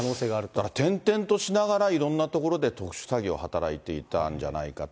だから転々としながら、いろんな所で特殊詐欺を働いていたんじゃないかと。